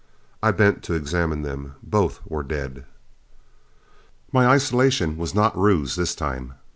I bent to examine them. Both were dead. My isolation was not ruse this time.